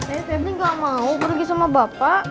eh febri nggak mau pergi sama bapak